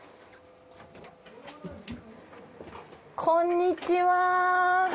こんにちは。